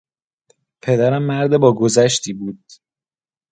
پدرم مرد باگذشتی بود.